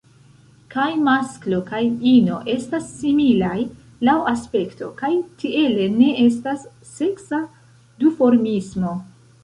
Kaj masklo kaj ino estas similaj laŭ aspekto, kaj tiele ne estas seksa duformismo.